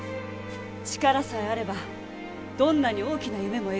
力さえあればどんなに大きな夢も描ける。